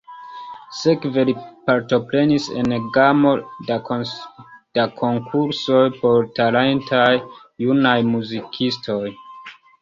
Sekve li partoprenis en gamo da konkursoj por talentaj junaj muzikistoj.